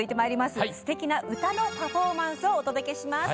すてきな歌のパフォーマンスをお届けします。